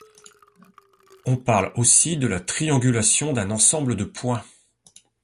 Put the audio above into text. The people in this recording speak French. On parle aussi de la triangulation d'un ensemble de points.